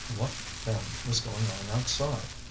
What, then, was going on outside?